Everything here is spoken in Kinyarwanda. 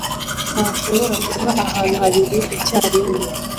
Ntushobora kuba ahantu habiri icyarimwe